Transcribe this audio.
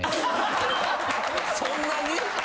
・そんなに？